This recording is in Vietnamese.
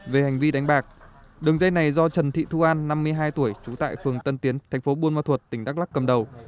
về hành vi đánh bạc đường dây này do trần thị thu an năm mươi hai tuổi trú tại phường tân tiến thành phố buôn ma thuật tỉnh đắk lắc cầm đầu